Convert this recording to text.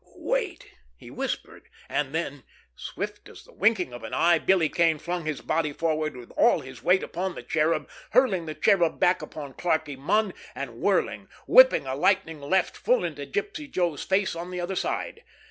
"Wait!" he whispered—and then, swift as the winking of an eye, Billy Kane flung his body forward with all his weight upon the Cherub, hurling the Cherub back upon Clarkie Munn, and whirling, whipped a lightning left full into Gypsy Joe's face on the other side.